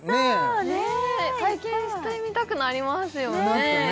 え体験してみたくなりますよねなったね